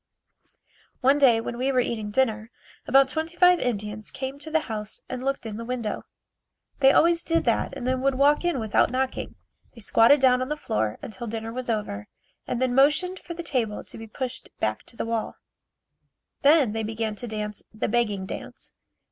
One day when we were eating dinner, about twenty five Indians came to the house and looked in the window. They always did that and then would walk in without knocking. They squatted down on the floor until dinner was over and then motioned for the table to be pushed back to the wall. Then they began to dance the begging dance.